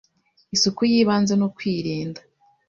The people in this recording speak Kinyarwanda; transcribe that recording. isuku y'ibanze no kwirinda